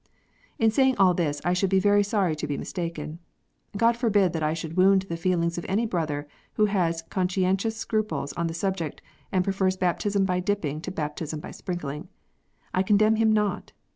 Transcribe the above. In saying all this I should be very sorry to be mistaken. God forbid that I should wound the feelings of any brother who has conscientious scruples on this subject, and prefers baptism by dipping to baptism by sprinkling. I condemn him not.